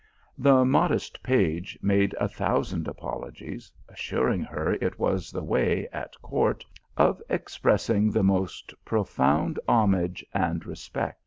The modest page made a thousand apologies, as suring her it was the way, at court, of expressing the most profound homage and respect.